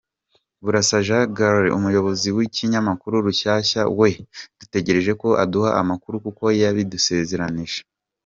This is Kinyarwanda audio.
Burasa Jean Gualbert, Umuyobozi w’Ikinyamakuru Rushyashya, we dutegereje ko aduha amakuru kuko yabidusezeranije.